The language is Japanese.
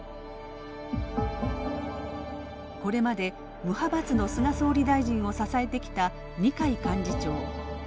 これまで、無派閥の菅総理大臣を支えてきた二階幹事長。